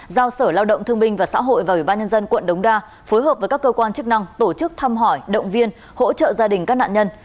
giao sở lao động thương minh và xã hội vào ubnd quận đống đa phối hợp với các cơ quan chức năng tổ chức thăm hỏi động viên hỗ trợ gia đình các nạn nhân